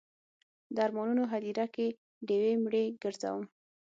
د ارمانونو هدیره کې ډیوې مړې ګرځوم